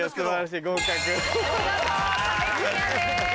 見事壁クリアです。